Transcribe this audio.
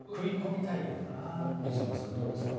光宗さんどうですか？